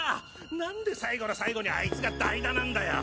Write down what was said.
なんで最後の最後にアイツが代打なんだよ！